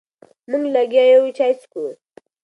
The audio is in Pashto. مونږ لګیا یو چای څکو.